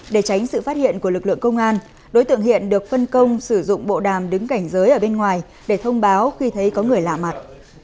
để tránh sự phát hiện của lực lượng công an đối tượng hiện được phân công sử dụng bộ đàm đứng cảnh giới ở bên ngoài để thông báo khi thấy có người lạ mặt